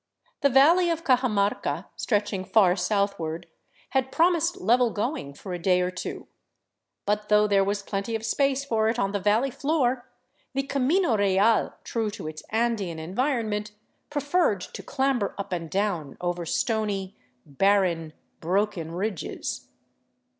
The valley of Cajamarca, stretching far southward, had promised level going for a day or two. But though there was plenty of space for it on the valley floor, the camino real, true to its Andean environment, preferred to clamber up and down over stony, barren, broken ridges.